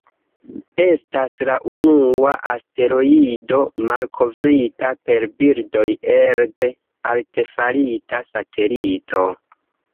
Estas la unua asteroido malkovrita per bildoj elde artefarita satelito.